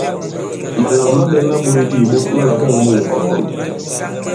Màlàŋ maɓɛ̄ ma ɓōs di ìɓok ma là-ɓɔ᷇ŋ mût ŋ̀kɔ̀ŋgɔ̀.